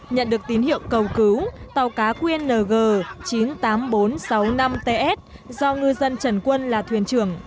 nhận được tín hiệu cầu cứu tàu cá qng chín mươi tám nghìn bốn trăm sáu mươi năm ts do ngư dân trần quân là thuyền trưởng